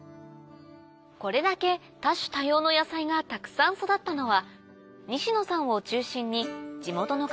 これだけ多種多様の野菜がたくさん育ったのは西野さんを中心に地元の方々が